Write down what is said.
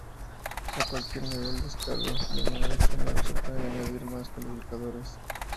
A cualquier nivel de escala, de manera opcional, se pueden añadir más calificadores.